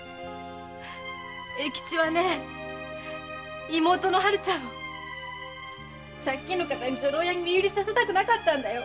永吉はね妹のお春ちゃんを借金のカタに女郎屋に身売りさせたくなかったんだよ。